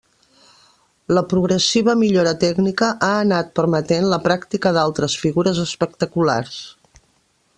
La progressiva millora tècnica ha anat permetent la pràctica d'altres figures espectaculars.